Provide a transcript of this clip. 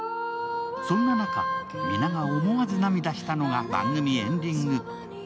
そんな中、皆が思わず涙したのが番組エンディング。